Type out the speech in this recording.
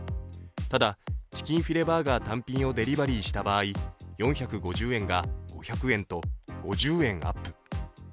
ただ、チキンフィレバーガー単品をデリバリーした場合、４５０円が５００円と５０円アップ。